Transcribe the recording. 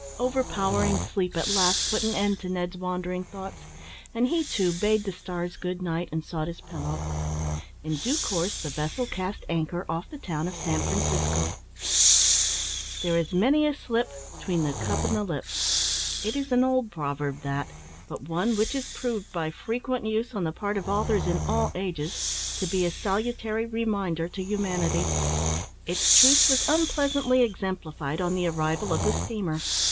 Overpowering sleep at last put an end to Ned's wandering thoughts, and he too bade the stars good night, and sought his pillow. In due course the vessel cast anchor off the town of San Francisco. "There is many a slip 'tween the cup and the lip." It is an old proverb that, but one which is proved, by frequent use, on the part of authors in all ages, to be a salutary reminder to humanity. Its truth was unpleasantly exemplified on the arrival of the steamer.